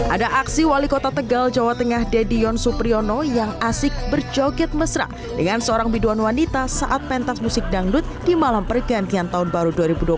ada aksi wali kota tegal jawa tengah dedion supriyono yang asik berjoget mesra dengan seorang biduan wanita saat pentas musik dangdut di malam pergantian tahun baru dua ribu dua puluh satu